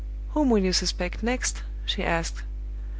"Whom will you suspect next?" she asked.